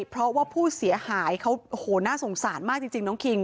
เพราะว่าผู้เสียหายเขาโอ้โหน่าสงสารมากจริงน้องคิง